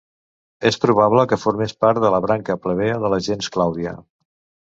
És probable que formés part de la branca plebea de la gens Clàudia.